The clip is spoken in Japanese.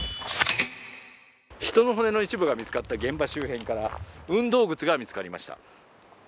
人の骨の一部が見つかった現場周辺から運動靴が見つかりました。